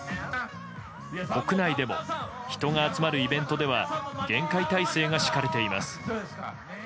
国内でも人が集まるイベントでは厳戒態勢が敷かれています。